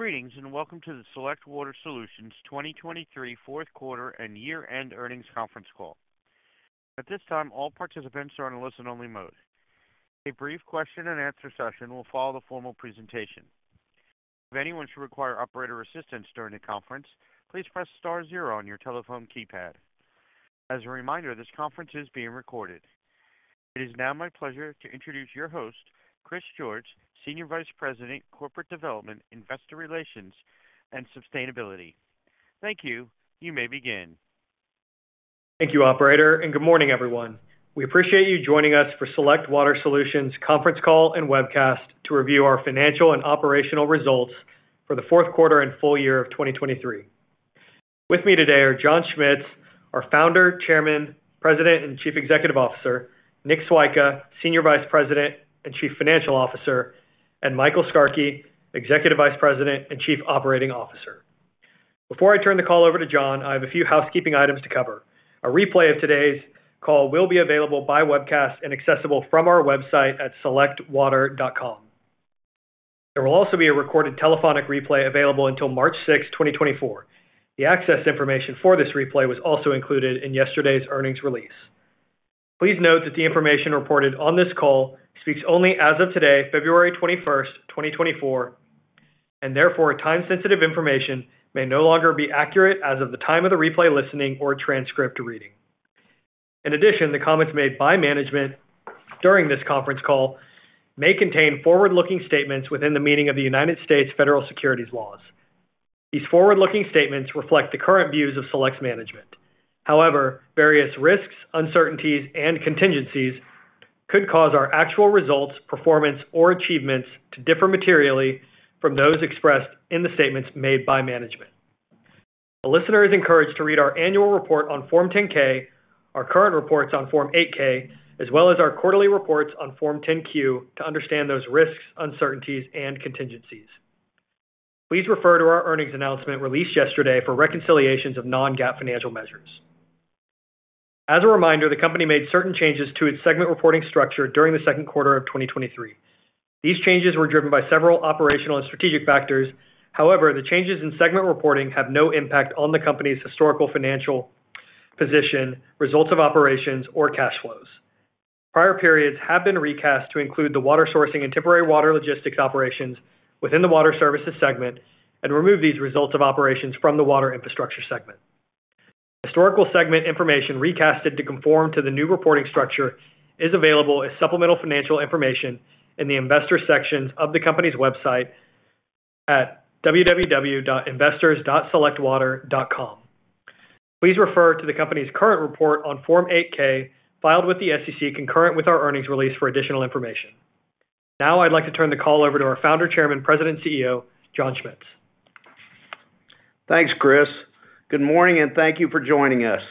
Greetings, and welcome to the Select Water Solutions 2023 fourth quarter and year-end earnings conference call. At this time, all participants are in a listen-only mode. A brief question and answer session will follow the formal presentation. If anyone should require operator assistance during the conference, please press star zero on your telephone keypad. As a reminder, this conference is being recorded. It is now my pleasure to introduce your host, Chris George, Senior Vice President, Corporate Development, Investor Relations and Sustainability. Thank you. You may begin. Thank you, operator, and good morning, everyone. We appreciate you joining us for Select Water Solutions conference call and webcast to review our financial and operational results for the fourth quarter and full year of 2023. With me today are John Schmitz, our Founder, Chairman, President, and Chief Executive Officer, Nick Swyka, Senior Vice President and Chief Financial Officer, and Michael Skarke, Executive Vice President and Chief Operating Officer. Before I turn the call over to John, I have a few housekeeping items to cover. A replay of today's call will be available by webcast and accessible from our website at selectwater.com. There will also be a recorded telephonic replay available until March 6, 2024. The access information for this replay was also included in yesterday's earnings release. Please note that the information reported on this call speaks only as of today, February 21, 2024, and therefore, time-sensitive information may no longer be accurate as of the time of the replay listening or transcript reading. In addition, the comments made by management during this conference call may contain forward-looking statements within the meaning of the United States federal securities laws. These forward-looking statements reflect the current views of Select's management. However, various risks, uncertainties, and contingencies could cause our actual results, performance, or achievements to differ materially from those expressed in the statements made by management. A listener is encouraged to read our annual report on Form 10-K, our current reports on Form 8-K, as well as our quarterly reports on Form 10-Q to understand those risks, uncertainties and contingencies. Please refer to our earnings announcement released yesterday for reconciliations of non-GAAP financial measures. As a reminder, the company made certain changes to its segment reporting structure during the second quarter of 2023. These changes were driven by several operational and strategic factors. However, the changes in segment reporting have no impact on the company's historical financial position, results of operations or cash flows. Prior periods have been recast to include the water sourcing and temporary water logistics operations within the water services segment and remove these results of operations from the water infrastructure segment. Historical segment information recast to conform to the new reporting structure is available as supplemental financial information in the investor sections of the company's website at www.investors.selectwater.com. Please refer to the company's current report on Form 8-K, filed with the SEC, concurrent with our earnings release for additional information. Now, I'd like to turn the call over to our founder, chairman, president, and CEO, John Schmitz. Thanks, Chris. Good morning, and thank you for joining us.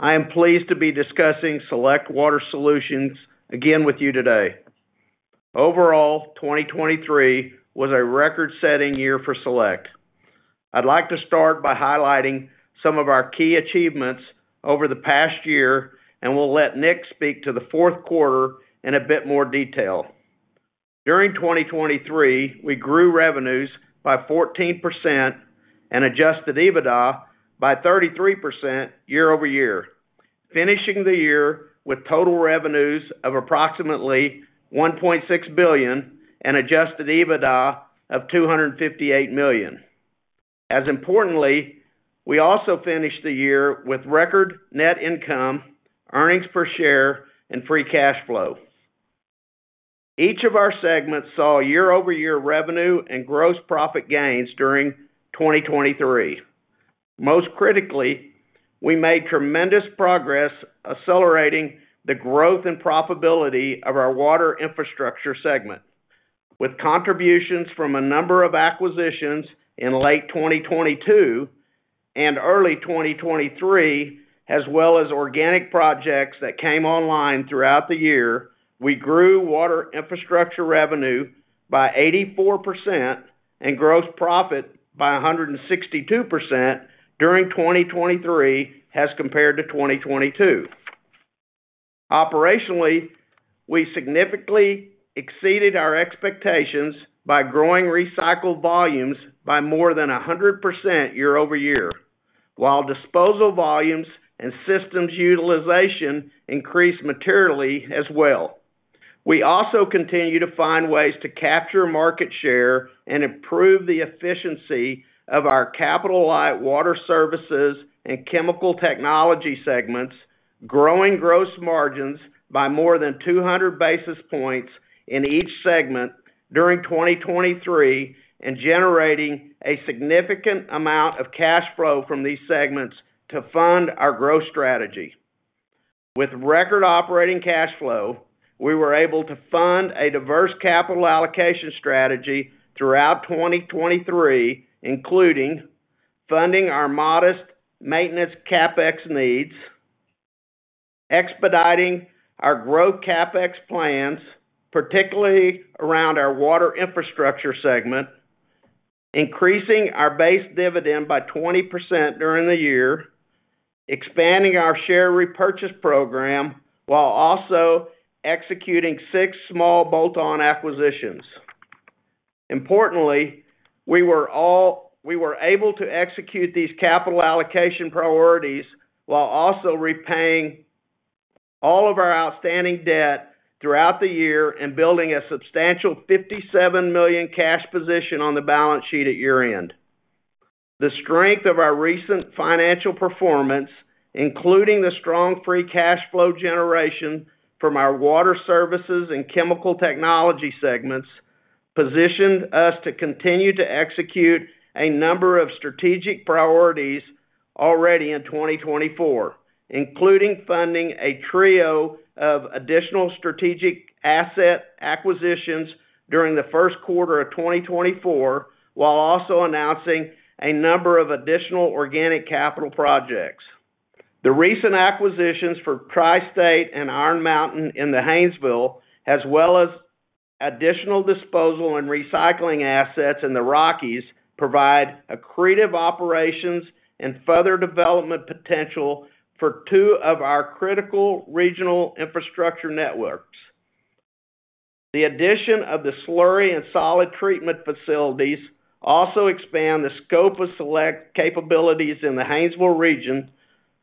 I am pleased to be discussing Select Water Solutions again with you today. Overall, 2023 was a record-setting year for Select. I'd like to start by highlighting some of our key achievements over the past year, and we'll let Nick speak to the fourth quarter in a bit more detail. During 2023, we grew revenues by 14% and adjusted EBITDA by 33% year-over-year, finishing the year with total revenues of approximately $1.6 billion and adjusted EBITDA of $258 million. As importantly, we also finished the year with record net income, earnings per share and free cash flow. Each of our segments saw year-over-year revenue and gross profit gains during 2023. Most critically, we made tremendous progress accelerating the growth and profitability of our water infrastructure segment. With contributions from a number of acquisitions in late 2022 and early 2023, as well as organic projects that came online throughout the year, we grew Water Infrastructure revenue by 84% and gross profit by 162% during 2023 as compared to 2022. Operationally, we significantly exceeded our expectations by growing recycled volumes by more than 100% year-over-year, while disposal volumes and systems utilization increased materially as well. We also continue to find ways to capture market share and improve the efficiency of our capital-light Water Services and Chemical Technologies segments, growing gross margins by more than 200 basis points in each segment during 2023, and generating a significant amount of cash flow from these segments to fund our growth strategy. With record operating cash flow, we were able to fund a diverse capital allocation strategy throughout 2023, including funding our modest maintenance CapEx needs, expediting our growth CapEx plans, particularly around our Water Infrastructure segment, increasing our base dividend by 20% during the year, expanding our share repurchase program, while also executing six small bolt-on acquisitions. Importantly, we were able to execute these capital allocation priorities while also repaying all of our outstanding debt throughout the year and building a substantial $57 million cash position on the balance sheet at year-end. The strength of our recent financial performance, including the strong free cash flow generation from our water services and chemical technology segments, positioned us to continue to execute a number of strategic priorities already in 2024, including funding a trio of additional strategic asset acquisitions during the first quarter of 2024, while also announcing a number of additional organic capital projects. The recent acquisitions for Tri-State and Iron Mountain in the Haynesville, as well as additional disposal and recycling assets in the Rockies, provide accretive operations and further development potential for two of our critical regional infrastructure networks. The addition of the slurry and solid treatment facilities also expand the scope of Select capabilities in the Haynesville region,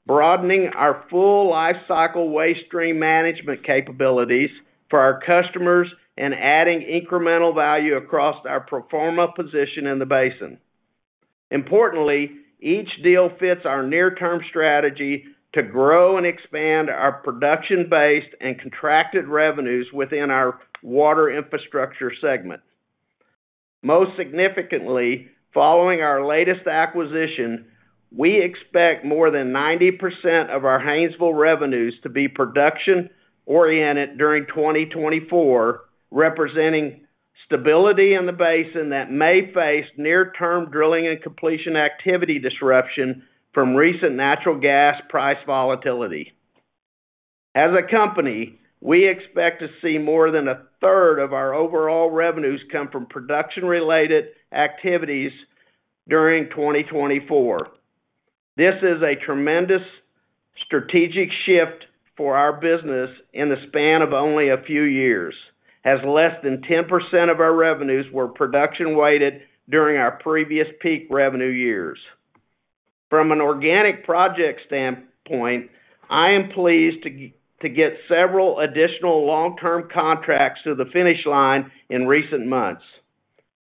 broadening our full lifecycle waste stream management capabilities for our customers and adding incremental value across our pro forma position in the basin. Importantly, each deal fits our near-term strategy to grow and expand our production-based and contracted revenues within our water infrastructure segment. Most significantly, following our latest acquisition, we expect more than 90% of our Haynesville revenues to be production-oriented during 2024, representing stability in the basin that may face near-term drilling and completion activity disruption from recent natural gas price volatility. As a company, we expect to see more than a third of our overall revenues come from production-related activities during 2024. This is a tremendous strategic shift for our business in the span of only a few years, as less than 10% of our revenues were production-weighted during our previous peak revenue years. From an organic project standpoint, I am pleased to get several additional long-term contracts to the finish line in recent months.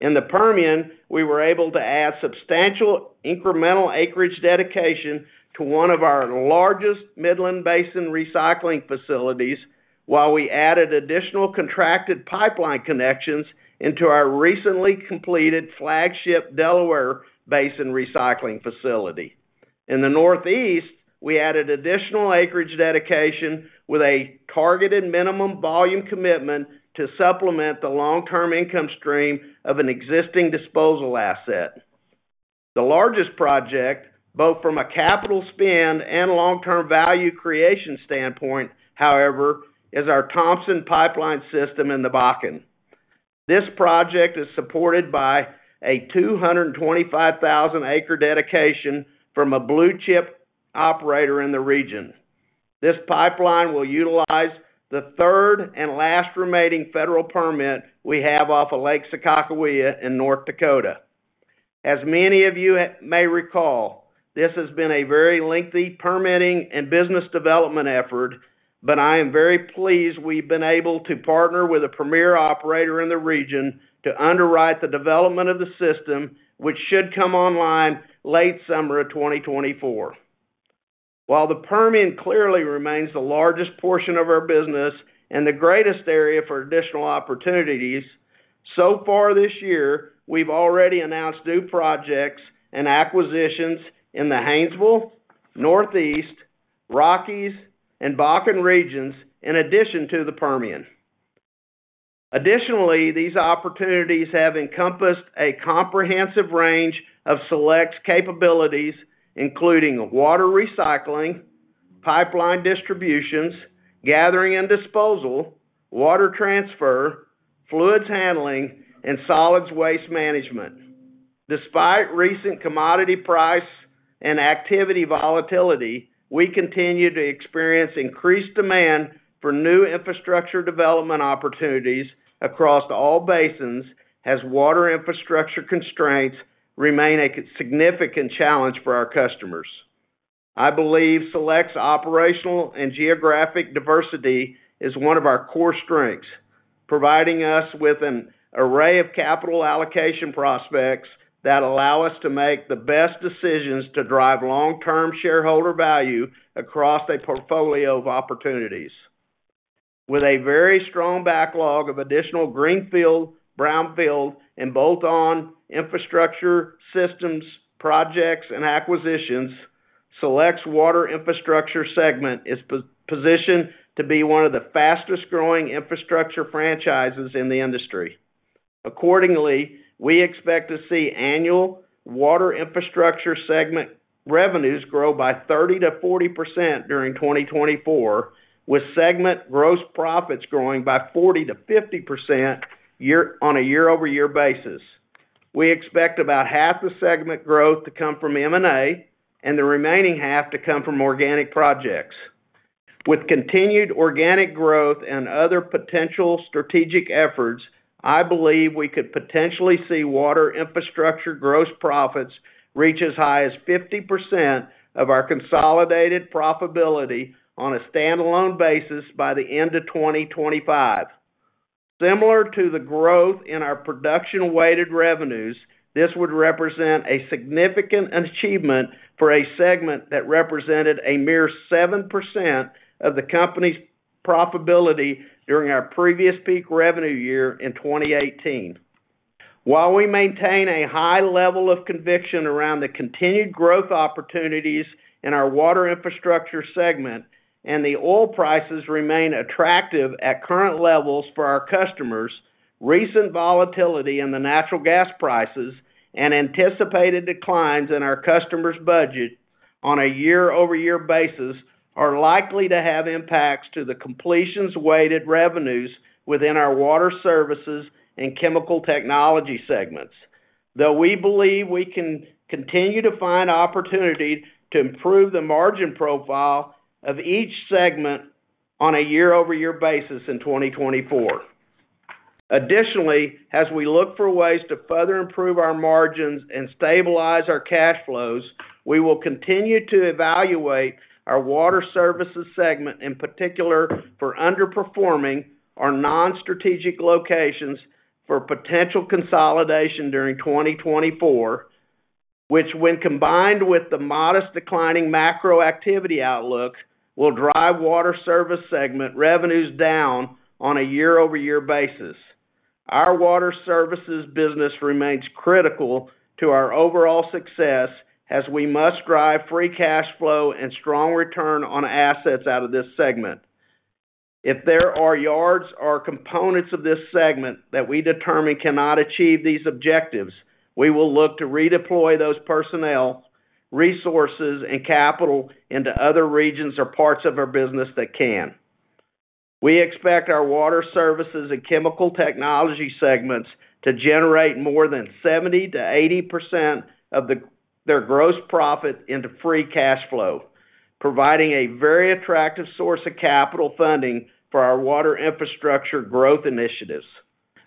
In the Permian, we were able to add substantial incremental acreage dedication to one of our largest Midland Basin recycling facilities, while we added additional contracted pipeline connections into our recently completed flagship Delaware Basin recycling facility. In the Northeast, we added additional acreage dedication with a targeted minimum volume commitment to supplement the long-term income stream of an existing disposal asset. The largest project, both from a capital spend and long-term value creation standpoint, however, is our Thompson Pipeline system in the Bakken. This project is supported by a 225,000-acre dedication from a blue chip operator in the region. This pipeline will utilize the third and last remaining federal permit we have off of Lake Sakakawea in North Dakota. As many of you may recall, this has been a very lengthy permitting and business development effort, but I am very pleased we've been able to partner with a premier operator in the region to underwrite the development of the system, which should come online late summer of 2024. While the Permian clearly remains the largest portion of our business and the greatest area for additional opportunities, so far this year, we've already announced new projects and acquisitions in the Haynesville, Northeast, Rockies, and Bakken regions, in addition to the Permian. Additionally, these opportunities have encompassed a comprehensive range of Select's capabilities, including water recycling, pipeline distributions, gathering and disposal, water transfer, fluids handling, and solids waste management. Despite recent commodity price and activity volatility, we continue to experience increased demand for new infrastructure development opportunities across all basins, as water infrastructure constraints remain a significant challenge for our customers. I believe Select's operational and geographic diversity is one of our core strengths, providing us with an array of capital allocation prospects that allow us to make the best decisions to drive long-term shareholder value across a portfolio of opportunities. With a very strong backlog of additional greenfield, brownfield, and bolt-on infrastructure, systems, projects, and acquisitions, Select's water infrastructure segment is positioned to be one of the fastest-growing infrastructure franchises in the industry. Accordingly, we expect to see annual water infrastructure segment revenues grow by 30%-40% during 2024, with segment gross profits growing by 40%-50% year-over-year.... We expect about half the segment growth to come from M&A, and the remaining half to come from organic projects. With continued organic growth and other potential strategic efforts, I believe we could potentially see water infrastructure gross profits reach as high as 50% of our consolidated profitability on a standalone basis by the end of 2025. Similar to the growth in our production-weighted revenues, this would represent a significant achievement for a segment that represented a mere 7% of the company's profitability during our previous peak revenue year in 2018. While we maintain a high level of conviction around the continued growth opportunities in our water infrastructure segment, and the oil prices remain attractive at current levels for our customers, recent volatility in the natural gas prices and anticipated declines in our customers' budget on a year-over-year basis are likely to have impacts to the completions-weighted revenues within our water services and chemical technology segments. Though we believe we can continue to find opportunities to improve the margin profile of each segment on a year-over-year basis in 2024. Additionally, as we look for ways to further improve our margins and stabilize our cash flows, we will continue to evaluate our water services segment, in particular, for underperforming our non-strategic locations for potential consolidation during 2024, which, when combined with the modest declining macro activity outlook, will drive water service segment revenues down on a year-over-year basis. Our water services business remains critical to our overall success, as we must drive free cash flow and strong return on assets out of this segment. If there are yards or components of this segment that we determine cannot achieve these objectives, we will look to redeploy those personnel, resources, and capital into other regions or parts of our business that can. We expect our water services and chemical technology segments to generate more than 70%-80% of their gross profit into free cash flow, providing a very attractive source of capital funding for our water infrastructure growth initiatives.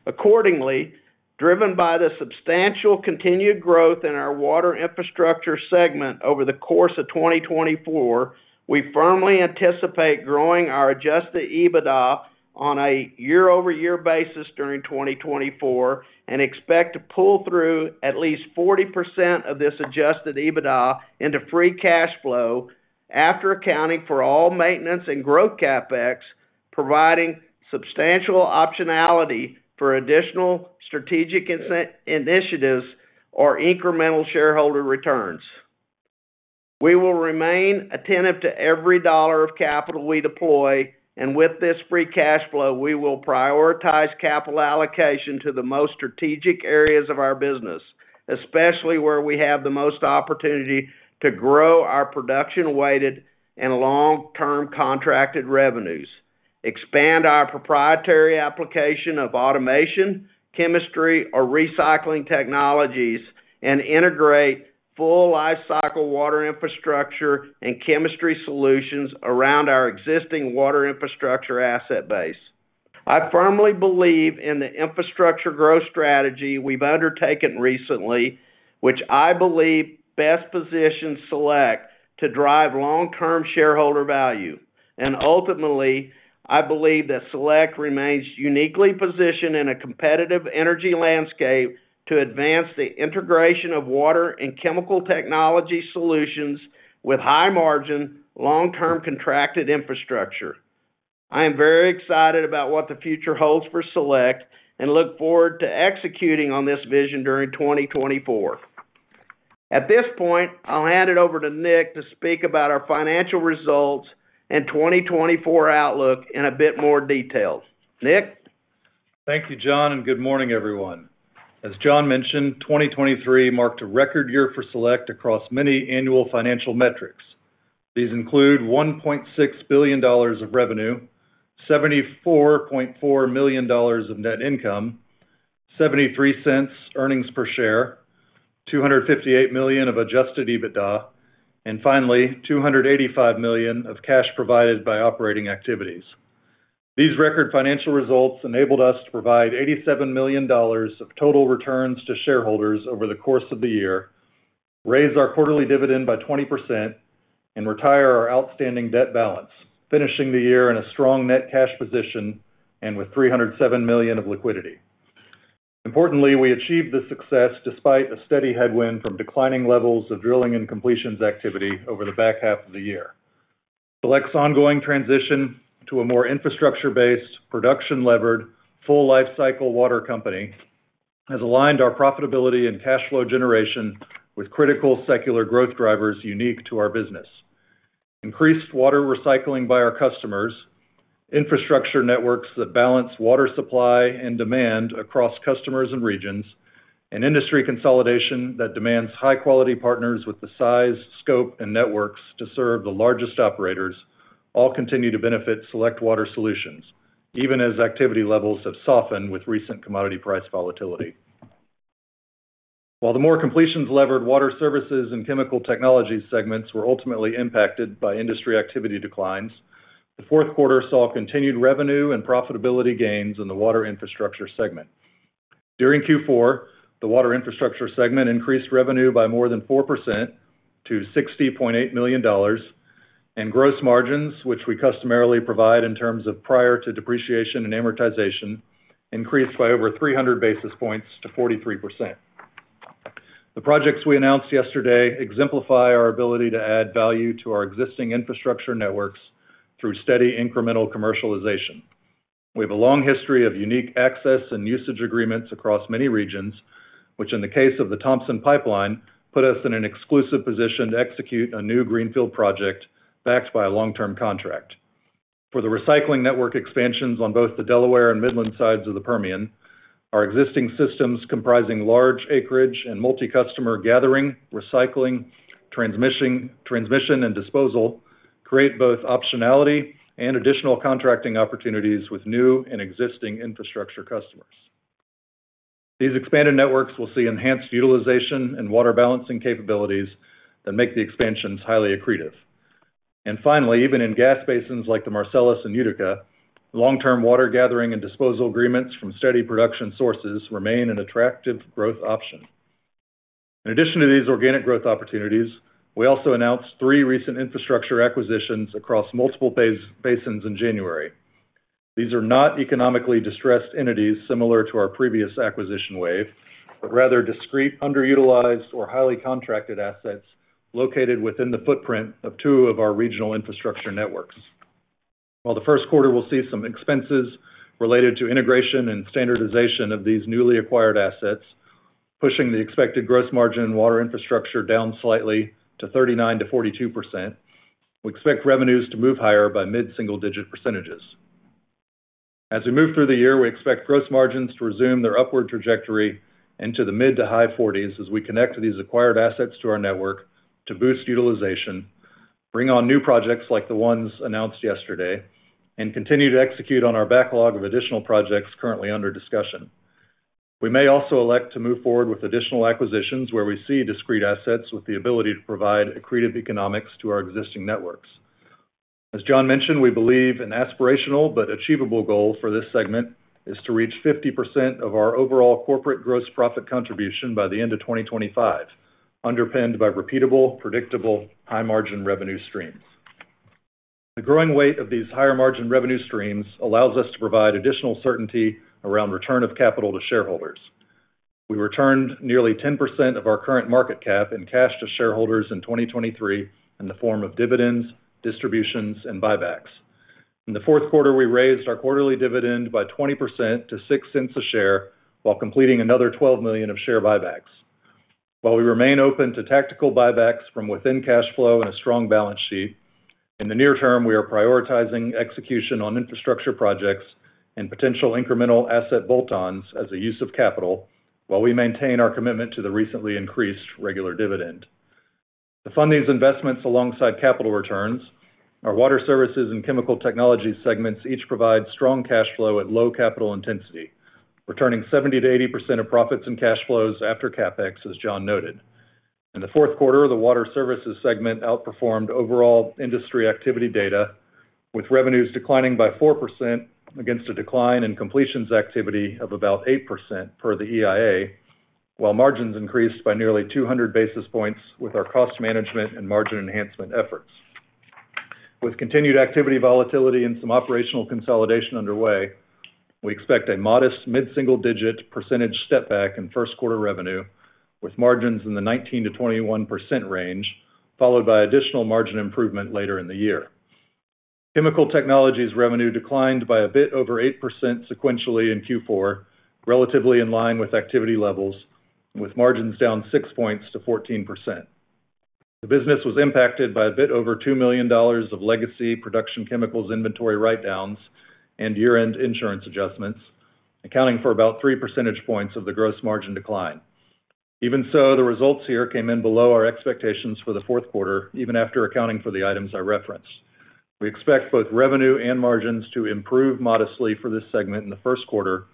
Accordingly, driven by the substantial continued growth in our water infrastructure segment over the course of 2024, we firmly anticipate growing our adjusted EBITDA on a year-over-year basis during 2024, and expect to pull through at least 40% of this adjusted EBITDA into free cash flow after accounting for all maintenance and growth CapEx, providing substantial optionality for additional strategic initiatives or incremental shareholder returns. We will remain attentive to every dollar of capital we deploy, and with this free cash flow, we will prioritize capital allocation to the most strategic areas of our business, especially where we have the most opportunity to grow our production-weighted and long-term contracted revenues, expand our proprietary application of automation, chemistry, or recycling technologies, and integrate full lifecycle water infrastructure and chemistry solutions around our existing water infrastructure asset base. I firmly believe in the infrastructure growth strategy we've undertaken recently, which I believe best positions Select to drive long-term shareholder value. And ultimately, I believe that Select remains uniquely positioned in a competitive energy landscape to advance the integration of water and chemical technology solutions with high margin, long-term contracted infrastructure. I am very excited about what the future holds for Select, and look forward to executing on this vision during 2024. At this point, I'll hand it over to Nick to speak about our financial results and 2024 outlook in a bit more detail. Nick? Thank you, John, and good morning, everyone. As John mentioned, 2023 marked a record year for Select across many annual financial metrics. These include $1.6 billion of revenue, $74.4 million of net income, $0.73 earnings per share, $258 million of adjusted EBITDA, and finally, $285 million of cash provided by operating activities. These record financial results enabled us to provide $87 million of total returns to shareholders over the course of the year, raise our quarterly dividend by 20%, and retire our outstanding debt balance, finishing the year in a strong net cash position and with $307 million of liquidity. Importantly, we achieved this success despite a steady headwind from declining levels of drilling and completions activity over the back half of the year. Select's ongoing transition to a more infrastructure-based, production-levered, full lifecycle water company has aligned our profitability and cash flow generation with critical secular growth drivers unique to our business. Increased water recycling by our customers, infrastructure networks that balance water supply and demand across customers and regions, and industry consolidation that demands high-quality partners with the size, scope, and networks to serve the largest operators,... all continue to benefit Select Water Solutions, even as activity levels have softened with recent commodity price volatility. While the more completions-levered water services and chemical technology segments were ultimately impacted by industry activity declines, the fourth quarter saw continued revenue and profitability gains in the water infrastructure segment. During Q4, the water infrastructure segment increased revenue by more than 4% to $60.8 million, and gross margins, which we customarily provide in terms of prior to depreciation and amortization, increased by over 300 basis points to 43%. The projects we announced yesterday exemplify our ability to add value to our existing infrastructure networks through steady incremental commercialization. We have a long history of unique access and usage agreements across many regions, which, in the case of the Thompson Pipeline, put us in an exclusive position to execute a new greenfield project backed by a long-term contract. For the recycling network expansions on both the Delaware and Midland sides of the Permian, our existing systems, comprising large acreage and multi-customer gathering, recycling, transmission, and disposal, create both optionality and additional contracting opportunities with new and existing infrastructure customers. These expanded networks will see enhanced utilization and water balancing capabilities that make the expansions highly accretive. And finally, even in gas basins like the Marcellus and Utica, long-term water gathering and disposal agreements from steady production sources remain an attractive growth option. In addition to these organic growth opportunities, we also announced three recent infrastructure acquisitions across multiple basins in January. These are not economically distressed entities similar to our previous acquisition wave, but rather discrete, underutilized, or highly contracted assets located within the footprint of two of our regional infrastructure networks. While the first quarter will see some expenses related to integration and standardization of these newly acquired assets, pushing the expected gross margin water infrastructure down slightly to 39%-42%, we expect revenues to move higher by mid-single-digit percentages. As we move through the year, we expect gross margins to resume their upward trajectory into the mid- to high 40s% as we connect these acquired assets to our network to boost utilization, bring on new projects like the ones announced yesterday, and continue to execute on our backlog of additional projects currently under discussion. We may also elect to move forward with additional acquisitions where we see discrete assets with the ability to provide accretive economics to our existing networks. As John mentioned, we believe an aspirational but achievable goal for this segment is to reach 50% of our overall corporate gross profit contribution by the end of 2025, underpinned by repeatable, predictable, high-margin revenue streams. The growing weight of these higher-margin revenue streams allows us to provide additional certainty around return of capital to shareholders. We returned nearly 10% of our current market cap in cash to shareholders in 2023 in the form of dividends, distributions, and buybacks. In the fourth quarter, we raised our quarterly dividend by 20% to $0.06 a share, while completing another $12 million of share buybacks. While we remain open to tactical buybacks from within cash flow and a strong balance sheet, in the near term, we are prioritizing execution on infrastructure projects and potential incremental asset bolt-ons as a use of capital, while we maintain our commitment to the recently increased regular dividend. To fund these investments alongside capital returns, our water services and chemical technology segments each provide strong cash flow at low capital intensity, returning 70%-80% of profits and cash flows after CapEx, as John noted. In the fourth quarter, the Water Services segment outperformed overall industry activity data, with revenues declining by 4% against a decline in completions activity of about 8% per the EIA, while margins increased by nearly 200 basis points with our cost management and margin enhancement efforts. With continued activity volatility and some operational consolidation underway, we expect a modest mid-single-digit percentage step back in first quarter revenue, with margins in the 19%-21% range, followed by additional margin improvement later in the year. Chemical Technologies revenue declined by a bit over 8% sequentially in Q4, relatively in line with activity levels, with margins down 6 points to 14%. The business was impacted by a bit over $2 million of legacy production chemicals inventory write-downs and year-end insurance adjustments, accounting for about 3 percentage points of the gross margin decline. Even so, the results here came in below our expectations for the fourth quarter, even after accounting for the items I referenced. We expect both revenue and margins to improve modestly for this segment in the first quarter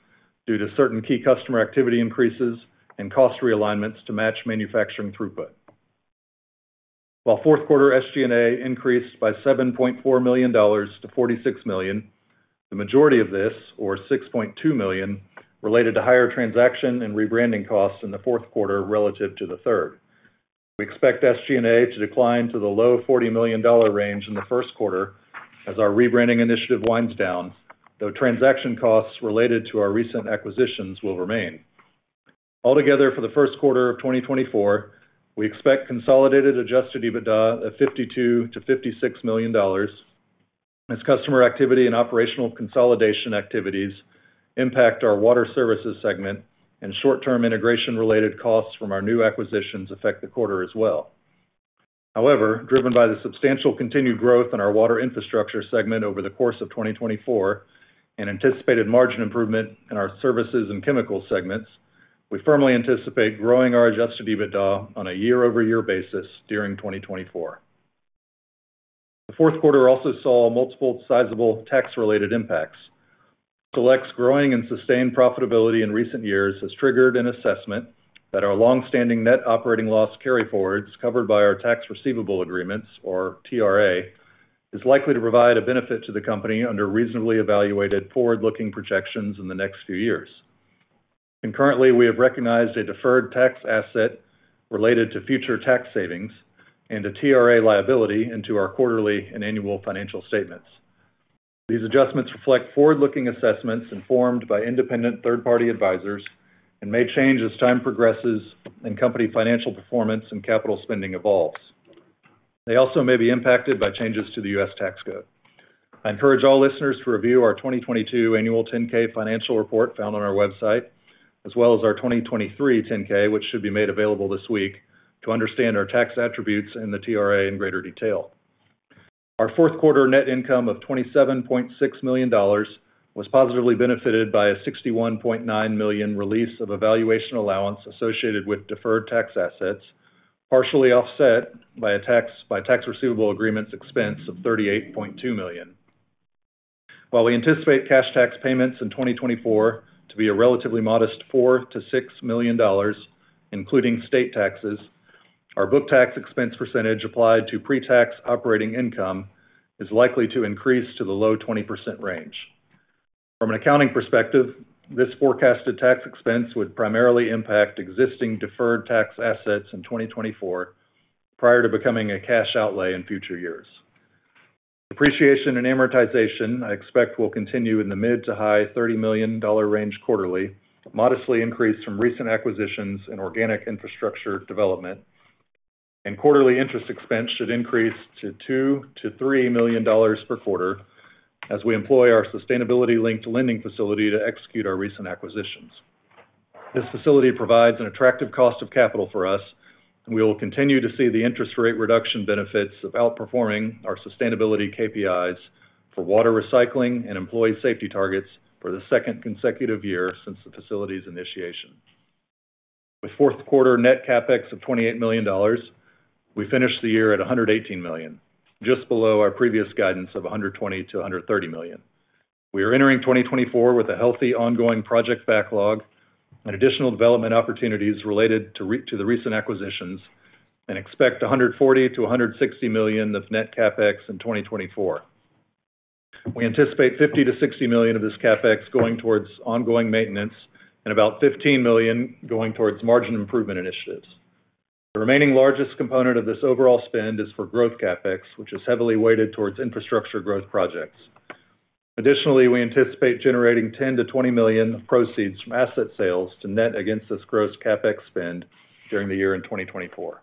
due to certain key customer activity increases and cost realignments to match manufacturing throughput. While fourth quarter SG&A increased by $7.4 million to $46 million, the majority of this, or $6.2 million, related to higher transaction and rebranding costs in the fourth quarter relative to the third. We expect SG&A to decline to the low $40 million range in the first quarter as our rebranding initiative winds down, though transaction costs related to our recent acquisitions will remain. Altogether, for the first quarter of 2024, we expect consolidated Adjusted EBITDA of $52 million-$56 million as customer activity and operational consolidation activities impact our water services segment and short-term integration related costs from our new acquisitions affect the quarter as well. However, driven by the substantial continued growth in our water infrastructure segment over the course of 2024 and anticipated margin improvement in our services and chemical segments,... We firmly anticipate growing our Adjusted EBITDA on a year-over-year basis during 2024. The fourth quarter also saw multiple sizable tax-related impacts. Select's growing and sustained profitability in recent years has triggered an assessment that our long-standing net operating loss carryforwards, covered by our tax receivable agreements, or TRA, is likely to provide a benefit to the company under reasonably evaluated forward-looking projections in the next few years. Currently, we have recognized a deferred tax asset related to future tax savings and a TRA liability into our quarterly and annual financial statements. These adjustments reflect forward-looking assessments informed by independent third-party advisors and may change as time progresses and company financial performance and capital spending evolves. They also may be impacted by changes to the U.S. tax code. I encourage all listeners to review our 2022 annual 10-K financial report, found on our website, as well as our 2023 10-K, which should be made available this week, to understand our tax attributes and the TRA in greater detail. Our fourth quarter net income of $27.6 million was positively benefited by a $61.9 million release of a valuation allowance associated with deferred tax assets, partially offset by tax receivable agreements expense of $38.2 million. While we anticipate cash tax payments in 2024 to be a relatively modest $4 million-$6 million, including state taxes, our book tax expense percentage applied to pre-tax operating income is likely to increase to the low 20% range. From an accounting perspective, this forecasted tax expense would primarily impact existing deferred tax assets in 2024, prior to becoming a cash outlay in future years. Depreciation and amortization, I expect, will continue in the mid- to high $30 million range quarterly, modestly increased from recent acquisitions and organic infrastructure development. Quarterly interest expense should increase to $2 million-$3 million per quarter as we employ our sustainability-linked lending facility to execute our recent acquisitions. This facility provides an attractive cost of capital for us, and we will continue to see the interest rate reduction benefits of outperforming our sustainability KPIs for water recycling and employee safety targets for the second consecutive year since the facility's initiation. With fourth quarter net CapEx of $28 million, we finished the year at $118 million, just below our previous guidance of $120 million-$130 million. We are entering 2024 with a healthy ongoing project backlog and additional development opportunities related to the recent acquisitions and expect $140 million-$160 million of net CapEx in 2024. We anticipate $50 million-$60 million of this CapEx going towards ongoing maintenance and about $15 million going towards margin improvement initiatives. The remaining largest component of this overall spend is for growth CapEx, which is heavily weighted towards infrastructure growth projects. Additionally, we anticipate generating $10 million-$20 million of proceeds from asset sales to net against this gross CapEx spend during the year in 2024.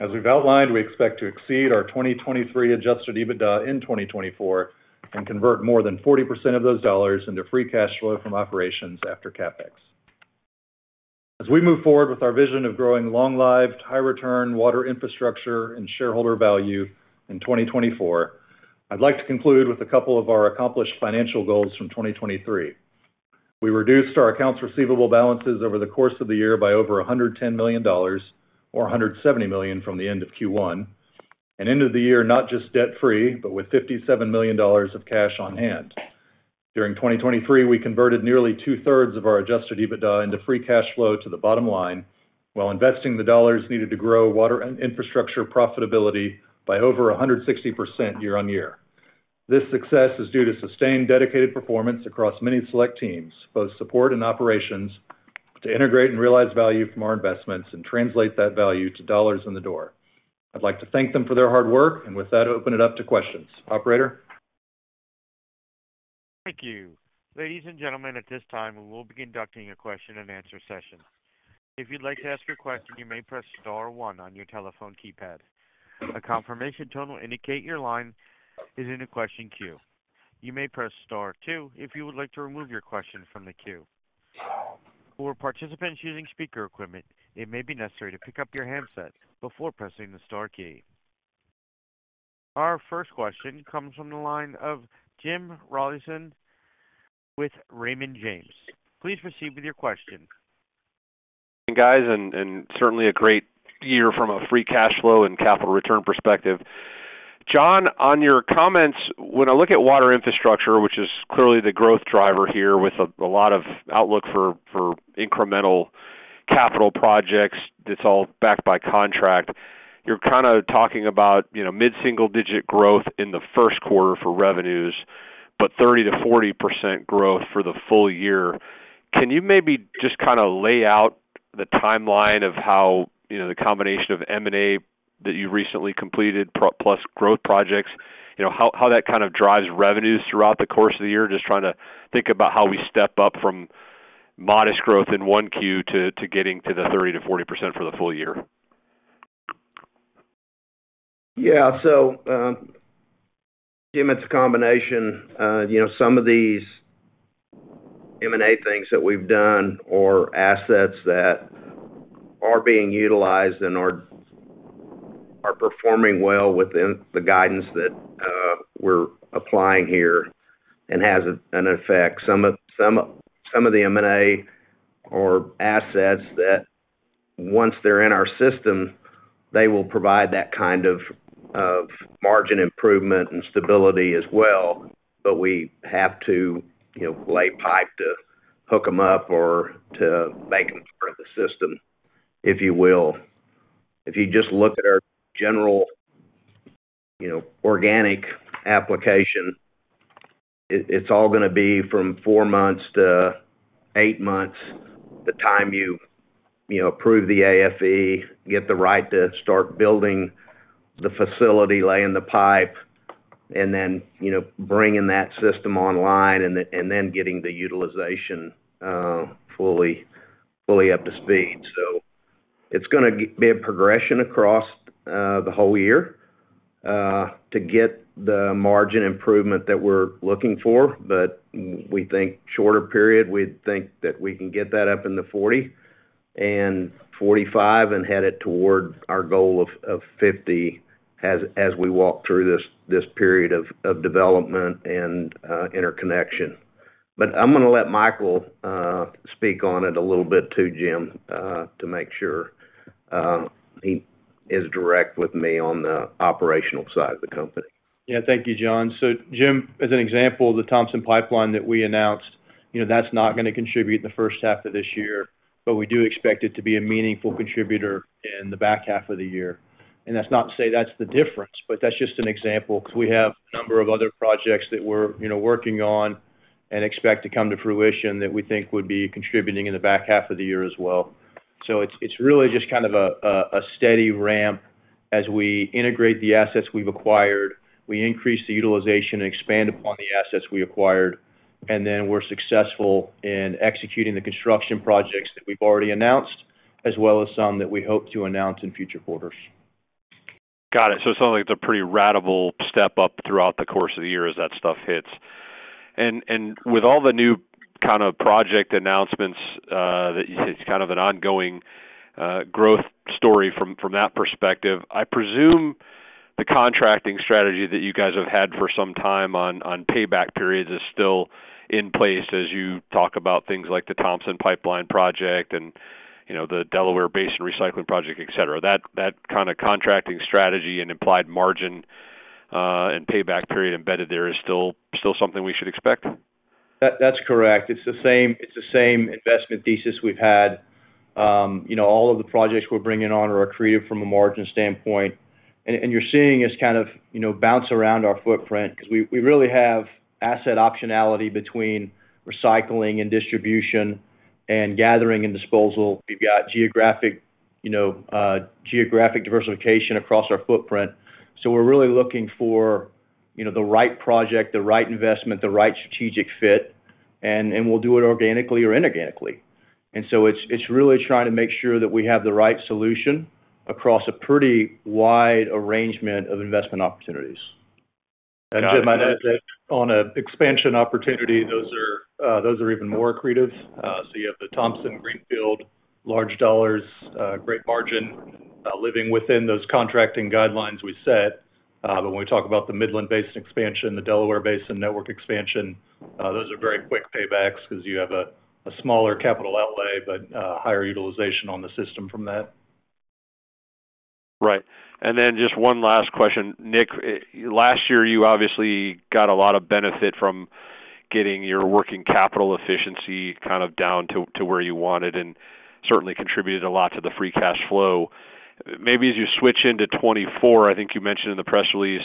As we've outlined, we expect to exceed our 2023 adjusted EBITDA in 2024 and convert more than 40% of those dollars into free cash flow from operations after CapEx. As we move forward with our vision of growing long-lived, high-return water infrastructure and shareholder value in 2024, I'd like to conclude with a couple of our accomplished financial goals from 2023. We reduced our accounts receivable balances over the course of the year by over $110 million, or $170 million from the end of Q1, and ended the year not just debt-free, but with $57 million of cash on hand. During 2023, we converted nearly two-thirds of our Adjusted EBITDA into Free Cash Flow to the bottom line, while investing the dollars needed to grow water and infrastructure profitability by over 160% year-on-year. This success is due to sustained, dedicated performance across many Select teams, both support and operations, to integrate and realize value from our investments and translate that value to dollars in the door. I'd like to thank them for their hard work, and with that, open it up to questions. Operator? Thank you. Ladies and gentlemen, at this time, we will be conducting a question-and-answer session. If you'd like to ask a question, you may press star one on your telephone keypad. A confirmation tone will indicate your line is in the question queue. You may press star two if you would like to remove your question from the queue. For participants using speaker equipment, it may be necessary to pick up your handset before pressing the star key. Our first question comes from the line of Jim Rollyson with Raymond James. Please proceed with your question. Guys, certainly a great year from a free cash flow and capital return perspective. John, on your comments, when I look at water infrastructure, which is clearly the growth driver here, with a lot of outlook for incremental capital projects, that's all backed by contract. You're kind of talking about, you know, mid-single-digit growth in the first quarter for revenues, but 30%-40% growth for the full year. Can you maybe just kind of lay out the timeline of how, you know, the combination of M&A that you recently completed, plus growth projects, you know, how that kind of drives revenues throughout the course of the year? Just trying to think about how we step up from modest growth in Q1 to getting to the 30%-40% for the full year. Yeah. So, Jim, it's a combination. You know, some of these M&A things that we've done or assets that are being utilized and are- are performing well within the guidance that we're applying here and has an effect. Some of the M&A or assets that once they're in our system, they will provide that kind of margin improvement and stability as well. But we have to, you know, lay pipe to hook them up or to make them part of the system, if you will. If you just look at our general, you know, organic application, it's all gonna be from 4 months to 8 months, the time you, you know, approve the AFE, get the right to start building the facility, laying the pipe, and then, you know, bringing that system online, and then getting the utilization fully up to speed. So it's gonna be a progression across the whole year to get the margin improvement that we're looking for. But we think shorter period, we think that we can get that up in the 40%-45%, and head it toward our goal of 50% as we walk through this period of development and interconnection. But I'm gonna let Michael speak on it a little bit too, Jim, to make sure he is direct with me on the operational side of the company. Yeah. Thank you, John. So Jim, as an example, the Thompson Pipeline that we announced, you know, that's not gonna contribute in the first half of this year, but we do expect it to be a meaningful contributor in the back half of the year. And that's not to say that's the difference, but that's just an example, 'cause we have a number of other projects that we're, you know, working on and expect to come to fruition that we think would be contributing in the back half of the year as well. So it's really just kind of a steady ramp as we integrate the assets we've acquired. We increase the utilization and expand upon the assets we acquired, and then we're successful in executing the construction projects that we've already announced, as well as some that we hope to announce in future quarters. Got it. So it sounds like it's a pretty ratable step up throughout the course of the year as that stuff hits. And with all the new kind of project announcements, that it's kind of an ongoing growth story from that perspective, I presume the contracting strategy that you guys have had for some time on payback periods is still in place as you talk about things like the Thompson Pipeline project and, you know, the Delaware Basin Recycling Project, et cetera. That kind of contracting strategy and implied margin and payback period embedded there is still something we should expect? That's correct. It's the same, it's the same investment thesis we've had. You know, all of the projects we're bringing on are accretive from a margin standpoint. And, and you're seeing us kind of, you know, bounce around our footprint, 'cause we, we really have asset optionality between recycling and distribution, and gathering and disposal. We've got geographic, you know, geographic diversification across our footprint. So we're really looking for, you know, the right project, the right investment, the right strategic fit, and, and we'll do it organically or inorganically. And so it's, it's really trying to make sure that we have the right solution across a pretty wide arrangement of investment opportunities. And, Jim, I'd add that on an expansion opportunity, those are even more accretive. So you have the Thompson Greenfield, large dollars, great margin, living within those contracting guidelines we set. But when we talk about the Midland Basin expansion, the Delaware Basin network expansion, those are very quick paybacks because you have a smaller capital outlay, but, higher utilization on the system from that. Right. And then just one last question. Nick, last year, you obviously got a lot of benefit from getting your working capital efficiency kind of down to where you wanted and certainly contributed a lot to the free cash flow. Maybe as you switch into 2024, I think you mentioned in the press release,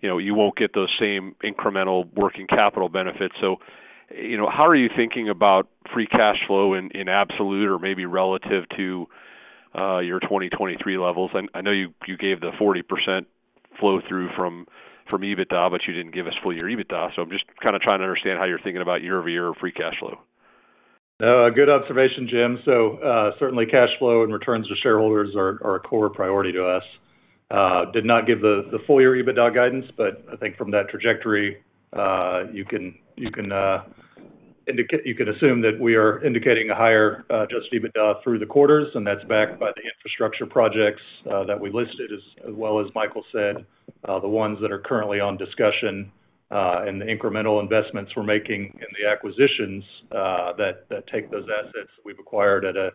you know, you won't get those same incremental working capital benefits. So, you know, how are you thinking about free cash flow in absolute or maybe relative to your 2023 levels? I know you gave the 40% flow through from EBITDA, but you didn't give us full year EBITDA. So I'm just kind of trying to understand how you're thinking about year-over-year free cash flow. Good observation, Jim. So, certainly cash flow and returns to shareholders are a core priority to us. Did not give the full-year EBITDA guidance, but I think from that trajectory, you can assume that we are indicating a higher Adjusted EBITDA through the quarters, and that's backed by the infrastructure projects that we listed, as well as Michael said, the ones that are currently on discussion, and the incremental investments we're making in the acquisitions that take those assets we've acquired at a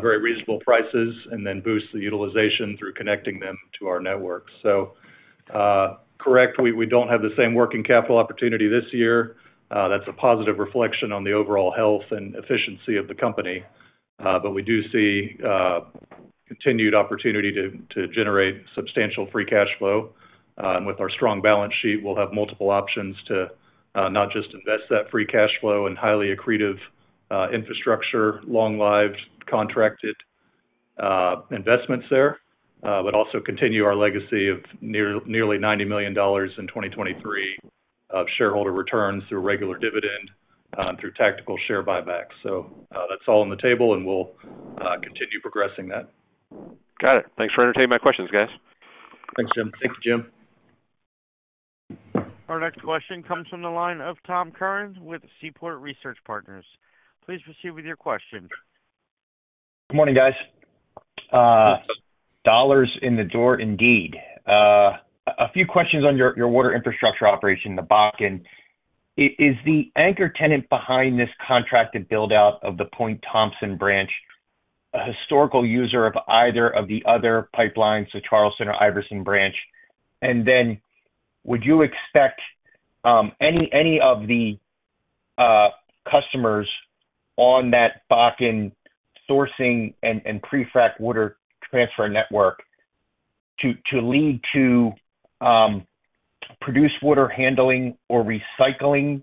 very reasonable prices, and then boost the utilization through connecting them to our network. So, correct, we don't have the same working capital opportunity this year. That's a positive reflection on the overall health and efficiency of the company. But we do see continued opportunity to generate substantial free cash flow. With our strong balance sheet, we'll have multiple options to not just invest that free cash flow in highly accretive infrastructure, long-lived, contracted investments there, but also continue our legacy of nearly $90 million in 2023 of shareholder returns through regular dividend and through tactical share buybacks. So, that's all on the table, and we'll continue progressing that. Got it. Thanks for entertaining my questions, guys. Thanks, Jim. Thank you, Jim.... Our next question comes from the line of Tom Curran with Seaport Research Partners. Please proceed with your question. Good morning, guys. Dollars in the door, indeed. A few questions on your water infrastructure operation in the Bakken. Is the anchor tenant behind this contracted build-out of the Thompson branch a historical user of either of the other pipelines, so Charleston or Iverson Branch? And then, would you expect any of the customers on that Bakken sourcing and pre-frac water transfer network to lead to produced water handling or recycling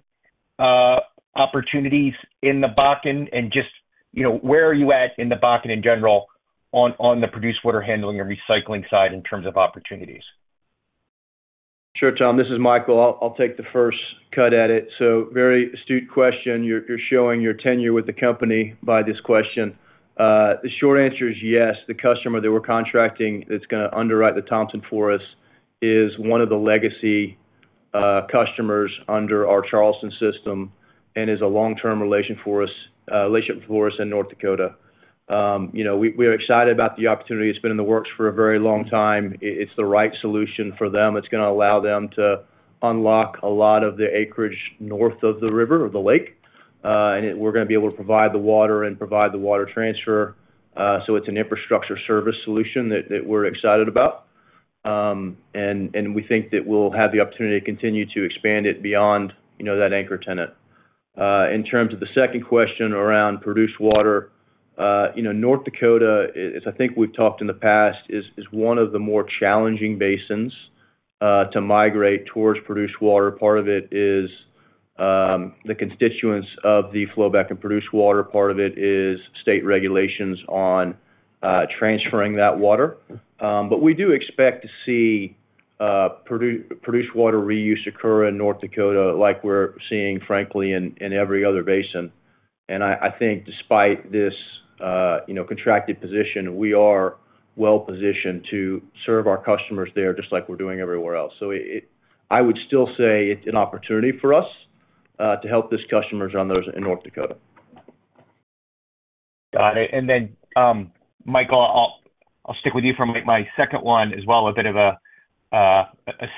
opportunities in the Bakken? And just, you know, where are you at in the Bakken in general, on the produced water handling and recycling side in terms of opportunities? Sure, Tom, this is Michael. I'll take the first cut at it. So very astute question. You're showing your tenure with the company by this question. The short answer is yes. The customer that we're contracting that's gonna underwrite the Thompson for us, is one of the legacy customers under our Charleston system and is a long-term relationship for us in North Dakota. You know, we're excited about the opportunity. It's been in the works for a very long time. It's the right solution for them. It's gonna allow them to unlock a lot of the acreage north of the river or the lake. And we're gonna be able to provide the water and provide the water transfer. So it's an infrastructure service solution that we're excited about. And we think that we'll have the opportunity to continue to expand it beyond, you know, that anchor tenant. In terms of the second question around produced water, you know, North Dakota, as I think we've talked in the past, is one of the more challenging basins to migrate towards produced water. Part of it is the constituents of the flowback and produced water. Part of it is state regulations on transferring that water. But we do expect to see produced water reuse occur in North Dakota like we're seeing, frankly, in every other basin. And I think despite this, you know, contracted position, we are well positioned to serve our customers there, just like we're doing everywhere else. So it—I would still say it's an opportunity for us to help these customers on those in North Dakota. Got it. And then, Michael, I'll stick with you for my second one as well. A bit of a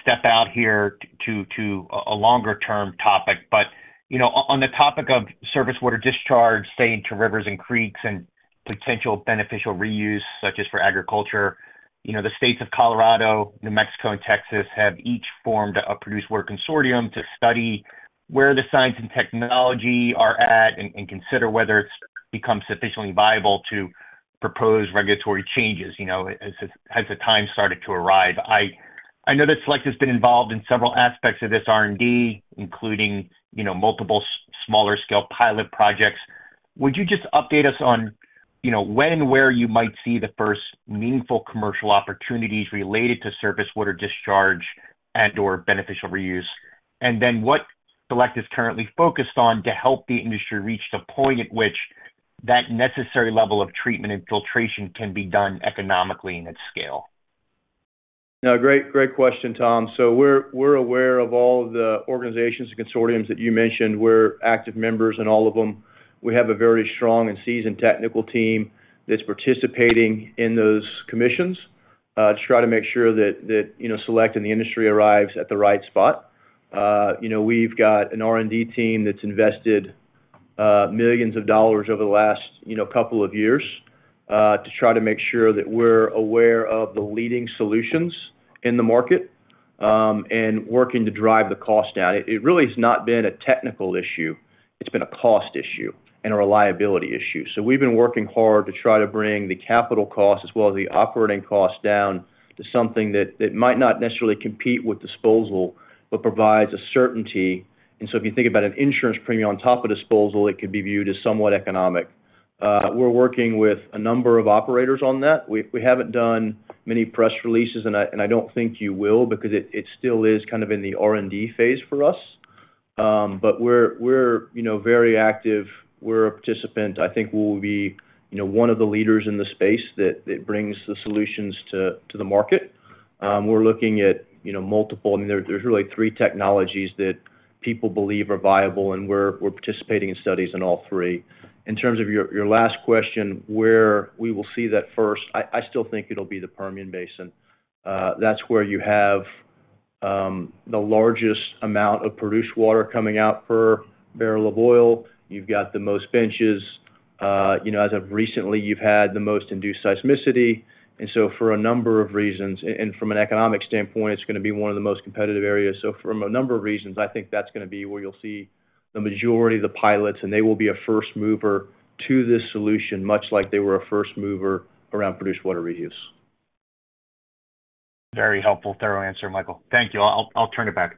step out here to a longer-term topic. But, you know, on the topic of surface water discharge, staying to rivers and creeks and potential beneficial reuse, such as for agriculture, you know, the states of Colorado, New Mexico, and Texas have each formed a produced water consortium to study where the science and technology are at, and consider whether it's become sufficiently viable to propose regulatory changes, you know, as the time has started to arrive. I know that Select has been involved in several aspects of this R&D, including, you know, multiple smaller scale pilot projects. Would you just update us on, you know, when and where you might see the first meaningful commercial opportunities related to surface water discharge and/or beneficial reuse? And then, what Select is currently focused on to help the industry reach the point at which that necessary level of treatment and filtration can be done economically in its scale? No, great, great question, Tom. So we're aware of all the organizations and consortiums that you mentioned. We're active members in all of them. We have a very strong and seasoned technical team that's participating in those commissions to try to make sure that, you know, Select and the industry arrives at the right spot. You know, we've got an R&D team that's invested $ millions over the last, you know, couple of years to try to make sure that we're aware of the leading solutions in the market and working to drive the cost down. It really has not been a technical issue, it's been a cost issue and a reliability issue. So we've been working hard to try to bring the capital costs as well as the operating costs down to something that, that might not necessarily compete with disposal, but provides a certainty. And so if you think about an insurance premium on top of disposal, it could be viewed as somewhat economic. We're working with a number of operators on that. We, we haven't done many press releases, and I, I don't think you will because it, it still is kind of in the R&D phase for us. But we're, we're, you know, very active. We're a participant. I think we'll be, you know, one of the leaders in the space that, that brings the solutions to, to the market. We're looking at, you know, multiple, and there's, there's really three technologies that people believe are viable, and we're, we're participating in studies in all three. In terms of your, your last question, where we will see that first? I, I still think it'll be the Permian Basin. That's where you have the largest amount of produced water coming out per barrel of oil. You've got the most benches. You know, as of recently, you've had the most induced seismicity. And so for a number of reasons, and, and from an economic standpoint, it's gonna be one of the most competitive areas. So from a number of reasons, I think that's gonna be where you'll see the majority of the pilots, and they will be a first mover to this solution, much like they were a first mover around produced water reuse. Very helpful, thorough answer, Michael. Thank you. I'll, I'll turn it back.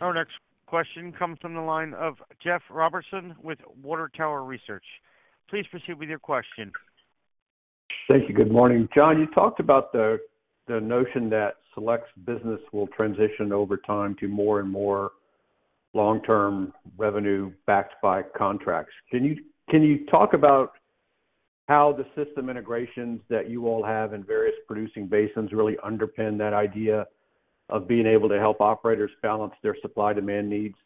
Our next question comes from the line of Jeff Robertson with Water Tower Research. Please proceed with your question. Thank you. Good morning. John, you talked about the notion that Select's business will transition over time to more and more long-term revenue backed by contracts. Can you talk about how the system integrations that you all have in various producing basins really underpin that idea of being able to help operators balance their supply-demand needs?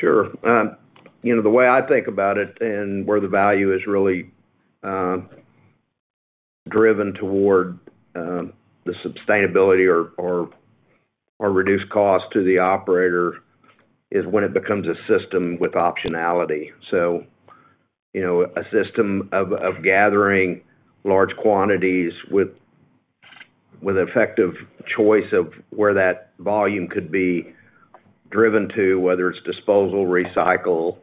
Sure. You know, the way I think about it and where the value is really driven toward the sustainability or reduced cost to the operator, is when it becomes a system with optionality. So, you know, a system of gathering large quantities with effective choice of where that volume could be driven to, whether it's disposal, recycle,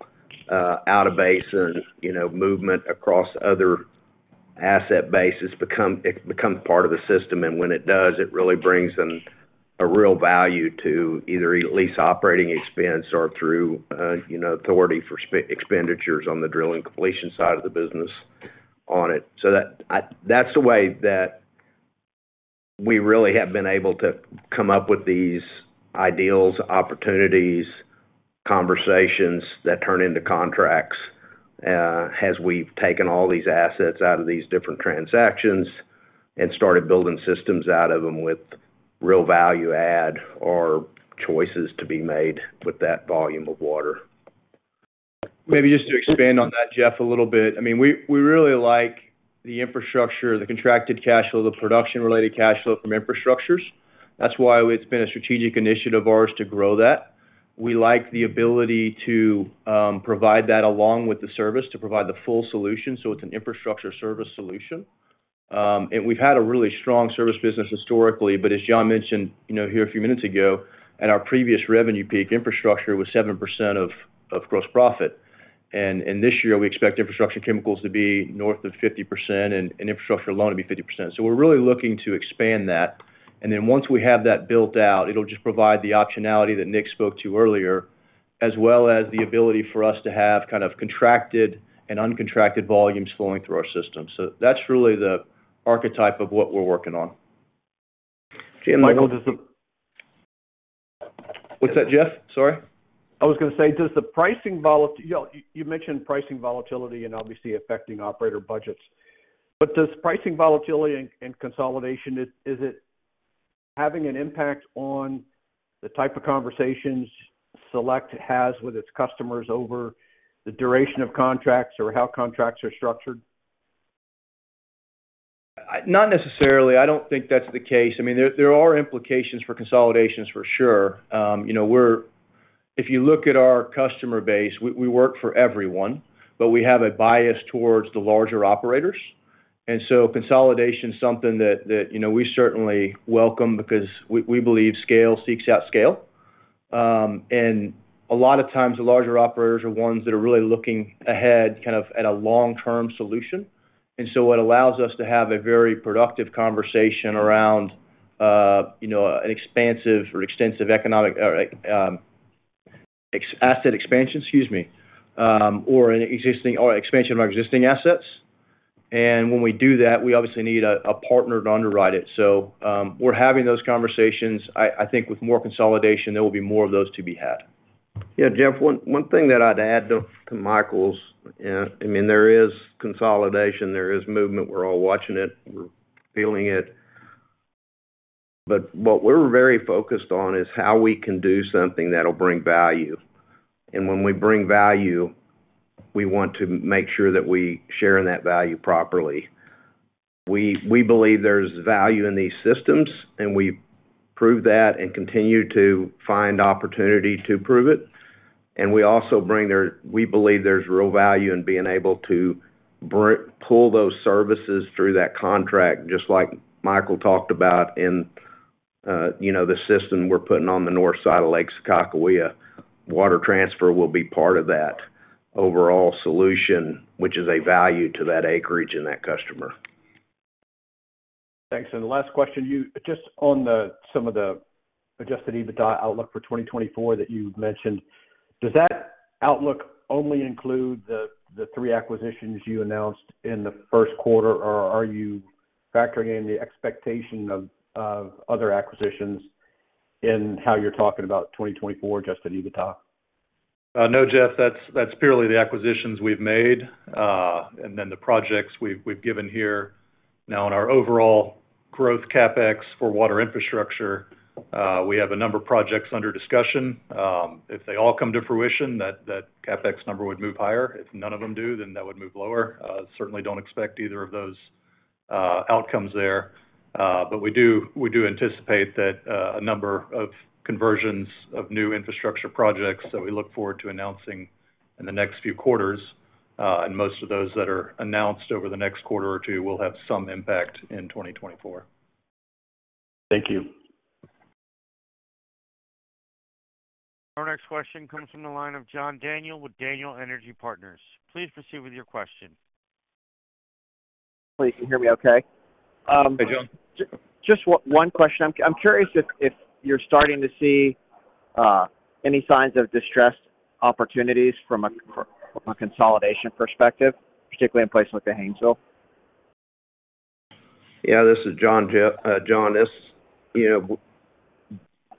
out of basin, you know, movement across other asset bases, it becomes part of the system. And when it does, it really brings in a real value to either lease operating expense or through, you know, authority for expenditure on the drilling completion side of the business on it. So that's the way that we really have been able to come up with these ideas, opportunities, conversations that turn into contracts, as we've taken all these assets out of these different transactions and started building systems out of them with real value add or choices to be made with that volume of water. Maybe just to expand on that, Jeff, a little bit. I mean, we really like the infrastructure, the contracted cash flow, the production-related cash flow from infrastructures. That's why it's been a strategic initiative of ours to grow that. We like the ability to provide that along with the service, to provide the full solution. So it's an infrastructure service solution. And we've had a really strong service business historically, but as John mentioned, you know, here a few minutes ago, at our previous revenue peak, infrastructure was 7% of gross profit. And this year, we expect infrastructure chemicals to be north of 50% and infrastructure alone to be 50%. So we're really looking to expand that. And then once we have that built out, it'll just provide the optionality that Nick spoke to earlier, as well as the ability for us to have kind of contracted and uncontracted volumes flowing through our system. So that's really the archetype of what we're working on. Michael, does the- What's that, Jeff? Sorry. I was gonna say, does the pricing volatility, you know, you mentioned pricing volatility and obviously affecting operator budgets. But does pricing volatility and consolidation, is it having an impact on the type of conversations Select has with its customers over the duration of contracts or how contracts are structured? Not necessarily. I don't think that's the case. I mean, there, there are implications for consolidations, for sure. You know, we're-- if you look at our customer base, we, we work for everyone, but we have a bias towards the larger operators. And so consolidation is something that, that, you know, we certainly welcome because we, we believe scale seeks out scale. And a lot of times, the larger operators are ones that are really looking ahead, kind of at a long-term solution. And so it allows us to have a very productive conversation around, you know, an expansive or extensive economic or asset expansion, excuse me, or an existing or expansion of our existing assets. And when we do that, we obviously need a, a partner to underwrite it. So, we're having those conversations. I think with more consolidation, there will be more of those to be had. Yeah, Jeff, one, one thing that I'd add to, to Michael's, I mean, there is consolidation, there is movement. We're all watching it. We're feeling it. But what we're very focused on is how we can do something that'll bring value. And when we bring value, we want to make sure that we share in that value properly. We, we believe there's value in these systems, and we prove that and continue to find opportunity to prove it. And we also bring there, we believe there's real value in being able to bring, pull those services through that contract, just like Michael talked about in, you know, the system we're putting on the north side of Lake Sakakawea. Water transfer will be part of that overall solution, which is a value to that acreage and that customer. Thanks. The last question—you just on some of the Adjusted EBITDA outlook for 2024 that you mentioned, does that outlook only include the 3 acquisitions you announced in the first quarter, or are you factoring in the expectation of other acquisitions in how you're talking about 2024 Adjusted EBITDA? No, Jeff, that's purely the acquisitions we've made, and then the projects we've given here. Now, in our overall growth CapEx for water infrastructure, we have a number of projects under discussion. If they all come to fruition, that CapEx number would move higher. If none of them do, then that would move lower. Certainly don't expect either of those outcomes there. But we do anticipate that a number of conversions of new infrastructure projects that we look forward to announcing in the next few quarters, and most of those that are announced over the next quarter or two will have some impact in 2024. Thank you. Our next question comes from the line of John Daniel with Daniel Energy Partners. Please proceed with your question. Can you hear me okay? Hey, John. Just one question. I'm curious if you're starting to see any signs of distressed opportunities from a consolidation perspective, particularly in places like the Haynesville? Yeah, this is John. This, you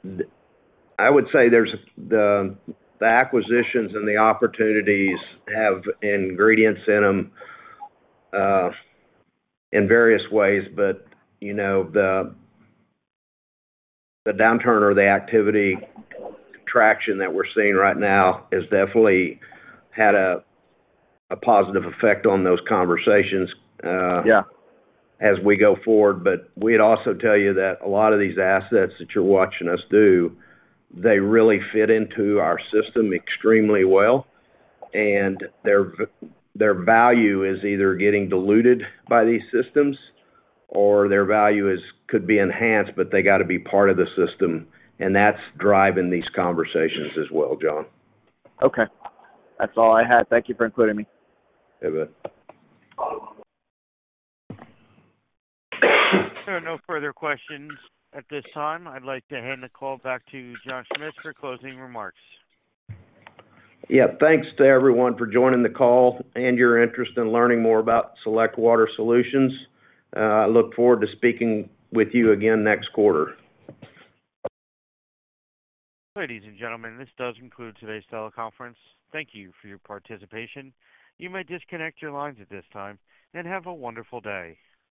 know, I would say there's the acquisitions and the opportunities have ingredients in them in various ways. But, you know, the downturn or the activity traction that we're seeing right now has definitely had a positive effect on those conversations, Yeah... as we go forward. But we'd also tell you that a lot of these assets that you're watching us do, they really fit into our system extremely well, and their value is either getting diluted by these systems or their value could be enhanced, but they got to be part of the system, and that's driving these conversations as well, John. Okay. That's all I had. Thank you for including me. Hey, bud. There are no further questions at this time. I'd like to hand the call back to John Schmitz for closing remarks. Yeah. Thanks to everyone for joining the call and your interest in learning more about Select Water Solutions. I look forward to speaking with you again next quarter. Ladies and gentlemen, this does conclude today's teleconference. Thank you for your participation. You may disconnect your lines at this time, and have a wonderful day.